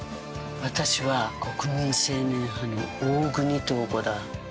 私は国民青年派の大國塔子だ！